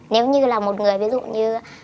nếu như là một người ví dụ như